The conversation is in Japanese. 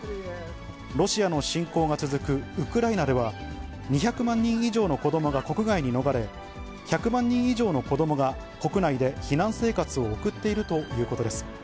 ロシアの侵攻が続くウクライナでは、２００万人以上の子どもが国外に逃れ、１００万人以上の子どもが国内で避難生活を送っているということです。